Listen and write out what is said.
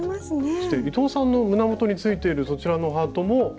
そして伊藤さんの胸元についているそちらのハートも。